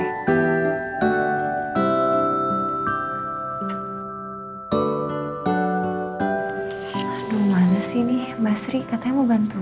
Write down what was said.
aduh males sih nih mbak sri katanya mau bantuin